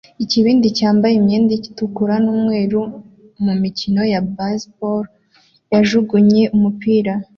Ikibindi cyambaye imyenda itukura n'umweru mumikino ya baseball yajugunye umupira